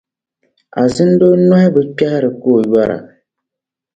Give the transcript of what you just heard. Azindoo nↄhi bi kpεhiri ka o yↄra.